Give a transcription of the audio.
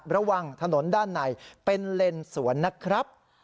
ระหว่างถนนด้านในเป็นเลนสวนนะครับ